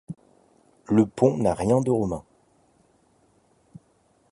Le pont n'a rien de romain.